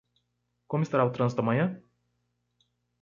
Como estará o trânsito amanhã?